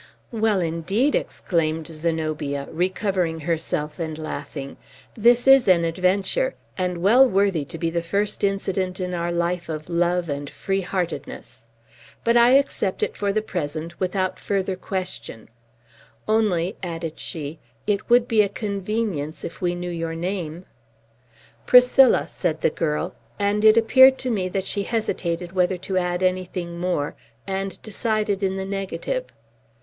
"Well, indeed," exclaimed Zenobia, recovering herself and laughing, "this is an adventure, and well worthy to be the first incident in our life of love and free heartedness! But I accept it, for the present, without further question, only," added she, "it would be a convenience if we knew your name." "Priscilla," said the girl; and it appeared to me that she hesitated whether to add anything more, and decided in the negative.